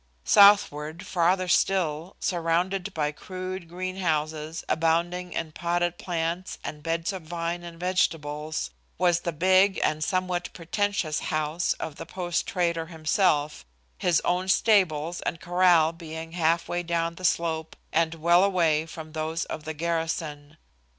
Southward, farther still, surrounded by crude greenhouses abounding in potted plants and beds of vine and vegetables, was the big and somewhat pretentious house of the post trader himself, his own stables and corral being half way down the slope and well away from those of the garrison.